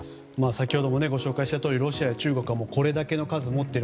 先ほどもご紹介したとおりロシア、中国はこれだけの数持っている。